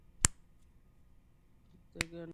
پلان کې ورته ځای ورکړل شوی و.